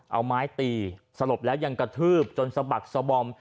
เอาไม้ตีสลบแล้วยังกระทืบจนสะบักสบอม